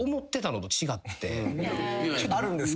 あるんですか？